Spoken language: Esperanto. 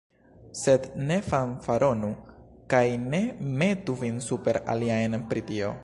Sed ne fanfaronu kaj ne metu vin super aliajn pri tio.